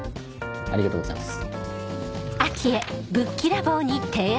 ありがとうございます。